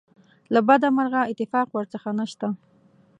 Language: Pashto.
له بده مرغه اتفاق ورڅخه نشته.